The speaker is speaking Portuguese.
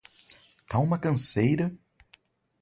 Tá uma canseira